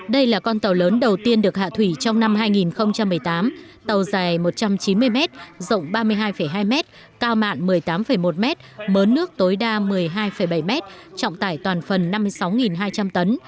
đây là con tàu lớn đầu tiên được hạ thủy trong năm hai nghìn một mươi tám tàu dài một trăm chín mươi m rộng ba mươi hai hai mét cao mạng một mươi tám một m mớ nước tối đa một mươi hai bảy m trọng tải toàn phần năm mươi sáu hai trăm linh tấn